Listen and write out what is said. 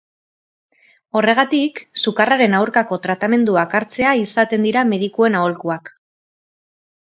Horregatik, sukarraren aurkako tratamenduak hartzea izaten dira medikuen aholkuak.